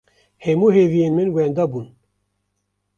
Hemû hêviyên min wenda bûn.